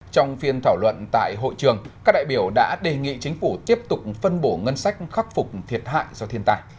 trong phiên thảo luận tại hội trường các đại biểu đã đề nghị chính phủ tiếp tục phân bổ ngân sách khắc phục thiệt hại do thiên tai